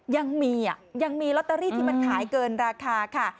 ยังมียังมีลอตเตอรี่ที่มันขายเกินราคาค่ะ